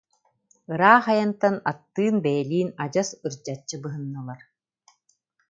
Ыраах айантан аттыын, бэйэлиин адьас ырдьаччы быһыннылар